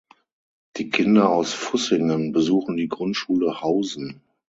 Die Kinder aus Fussingen besuchen die Grundschule Hausen.